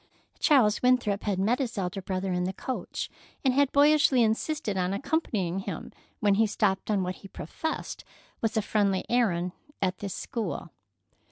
Charles Winthrop had met his elder brother in the coach, and had boyishly insisted on accompanying him when he stopped on what he professed was a friendly errand at this school.